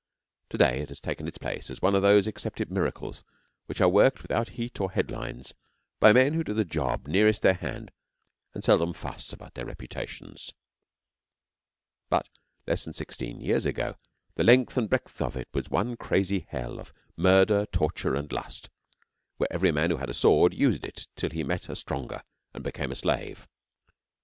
To day it has taken its place as one of those accepted miracles which are worked without heat or headlines by men who do the job nearest their hand and seldom fuss about their reputations. But less than sixteen years ago the length and breadth of it was one crazy hell of murder, torture, and lust, where every man who had a sword used it till he met a stronger and became a slave.